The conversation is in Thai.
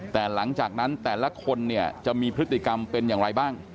แต่หลังจากนั้นแต่ละคนเนี่ยจะมีพฤติกรรมเป็นอย่างไรบ้าง